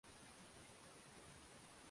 a ni katika swala la fedha za umma